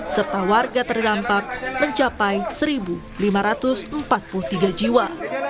serta warga terdampak mencapai satu lima ratus empat puluh tiga jiwa